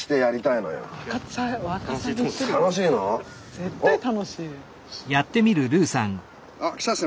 絶対楽しいこれ。